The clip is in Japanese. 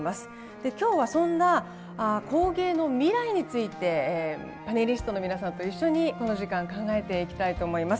で今日はそんな工芸の未来についてパネリストの皆さんと一緒にこの時間考えていきたいと思います。